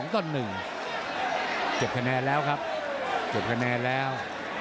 เก็บคะแนนแล้วครับเก็บคะแนนแล้ว